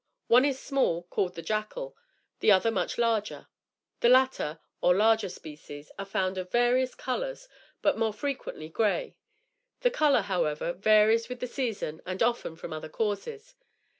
One is small, called the Jackal; the other much larger. The latter, or larger species, are found of various, colors, but more frequently grey. The color, however, varies with the season and often from other causes.